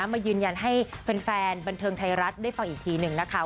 มายืนยันให้แฟนบันเทิงไทยรัฐได้ฟังอีกทีหนึ่งนะคะ